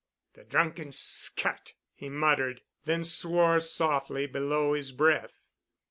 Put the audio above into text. "The drunken scut!" he muttered, then swore softly below his breath.